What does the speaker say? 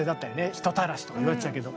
人たらしとか言われてたけど。